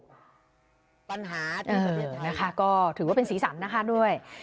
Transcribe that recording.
เออนะคะก็ถือเป็นศีลสำนะคะด้วย